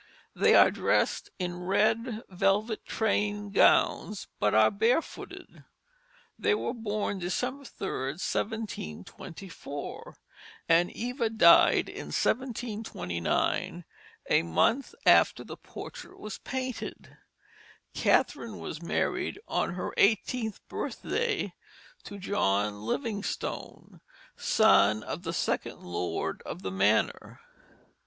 They are dressed in red velvet trained gowns, but are barefooted. They were born December 3, 1724, and Eva died in 1729, a month after the portrait was painted. Catherine was married on her eighteenth birthday to John Livingstone, son of the second lord of the manor.